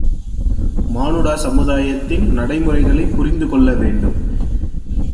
மானுட சமுதாயத்தின் நடைமுறைகளைப் புரிந்து கொள்ள வேண்டும்.